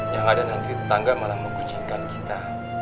yang ada nanti tetangga malah mengkucikan kita